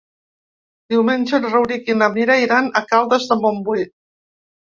Diumenge en Rauric i na Mira iran a Caldes de Montbui.